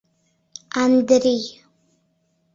Андрий...